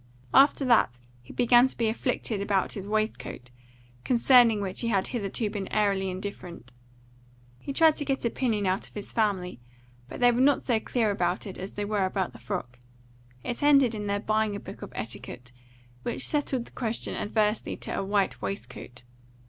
After that he began to be afflicted about his waist coat, concerning which he had hitherto been airily indifferent. He tried to get opinion out of his family, but they were not so clear about it as they were about the frock. It ended in their buying a book of etiquette, which settled the question adversely to a white waistcoat.